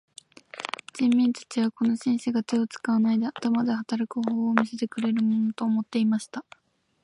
人民たちはこの紳士が手を使わないで頭で働く方法を見せてくれるものと思っていました。